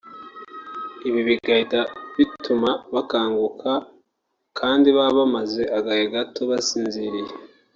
ibi bigatuma bahita bakanguka kandi baba bamaze agahe gato basinziriye